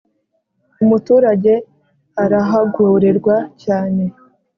Umuturage arahagorerwa cyane